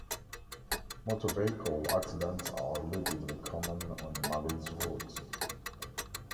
Motor vehicle accidents are relatively common on Mali's roads.